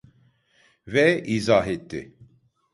Ve izah etti: